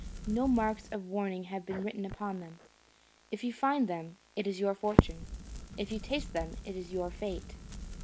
No marks of warning have been written upon them. If you find them it is your fortune; if you taste them it is your fate.